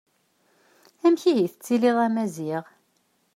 Amek ihi i tettiliḍ a Maziɣ?